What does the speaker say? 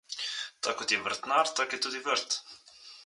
Tak kot je vrtnar, tak je tudi vrt.